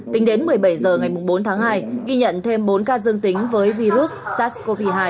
tính đến một mươi bảy h ngày bốn tháng hai ghi nhận thêm bốn ca dương tính với virus sars cov hai